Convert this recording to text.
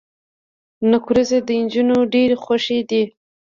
نکریزي د انجونو ډيرې خوښې دي.